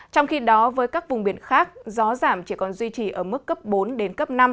trong khi đó với các vùng biển khác gió giảm chỉ còn duy trì ở mức cấp bốn đến cấp năm